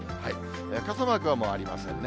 傘マークはもうありませんね。